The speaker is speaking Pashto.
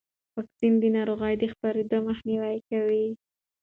واکسن د ناروغۍ د خپرېدو مخنیوی کوي.